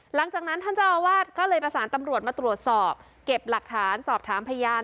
หลังจากนั้นท่านเจ้าอาวาสก็เลยประสานตำรวจมาตรวจสอบเก็บหลักฐานสอบถามพยาน